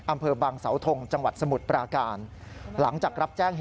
อำเภอบังเสาธงจสมุทรปราการ